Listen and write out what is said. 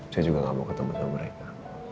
saya juga gak mau ketemu sama mereka